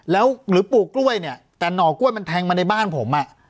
แล้วหรือปลูกกล้วยเนี่ยแต่หน่อกล้วยมันแทงมาในบ้านผมอ่ะ